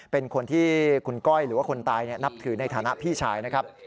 เป็นคนที่คุณก้อยหรือว่าคนตายนับถือในฐานะพี่ชายนะครับ